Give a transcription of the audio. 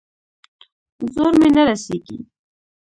زور مې نه رسېږي.